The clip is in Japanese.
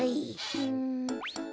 うん。